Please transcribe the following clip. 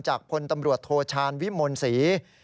จากพลตำรวจโทชานวิมวลศรี